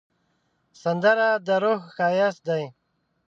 سندره د روح ښایست دی